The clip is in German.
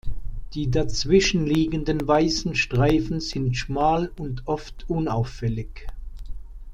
Die dazwischen liegenden weißen Streifen sind schmal und oft unauffällig.